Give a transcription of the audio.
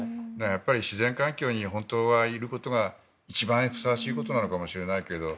自然環境に本当はいることが一番ふさわしいことなのかもしれないけど。